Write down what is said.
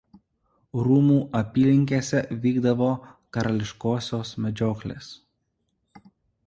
Rūmų apylinkėse vykdavo karališkosios medžioklės.